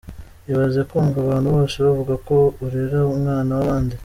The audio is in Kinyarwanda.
Ibaze kumva abantu bose bavuga ko urera umwana w’abandi?”.